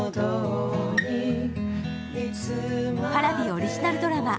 Ｐａｒａｖｉオリジナルドラマ